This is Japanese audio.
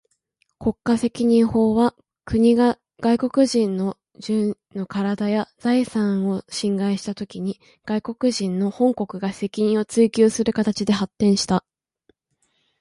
国家責任法は、国が外国人の身体や財産を侵害したときに、外国人の本国が責任を追求する形で発展した。